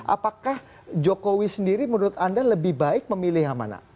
apakah jokowi sendiri menurut anda lebih baik memilih yang mana